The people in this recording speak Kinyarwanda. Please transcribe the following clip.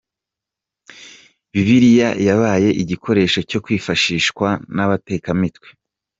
Bibiliya yabaye igikoresho cyo kwifashishwa n’abatekamitwe.